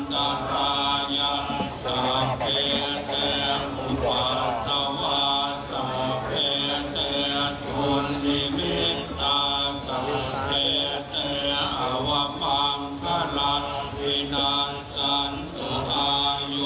รูปที่เก้านางสาวกรณาทูบเกล็นหอมผู้เหมือนการเขตบังกอกใหญ่